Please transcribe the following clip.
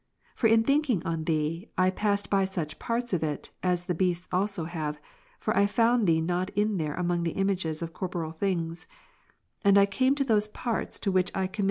For in thinking on Thee, I passed ° beyond such parts of it, as the beasts also have, for I found Thee not there among the images of corporeal things : and I came to those parts to which I committed the " See above, iv.